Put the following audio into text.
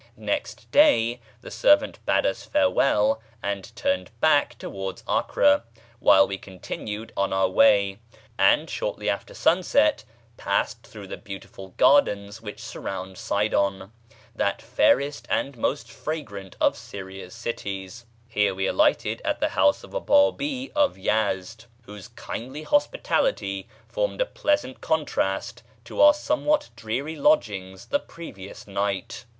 Next day the servant bade us farewell and turned back towards Acre, while we continued on our way, and shortly after sunset passed through the beautiful gardens which surround Sidon, that fairest and most fragrant of Syria's cities. Here we alighted at the house of a Bábí of Yezd, whose kindly hospitality formed a pleasant contrast to our somewhat dreary lodgings the previous night.